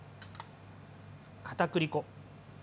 かたくり粉。